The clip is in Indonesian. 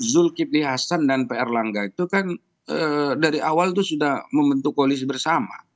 zulkifli hasan dan pr langga itu kan dari awal itu sudah membentuk koalisi bersama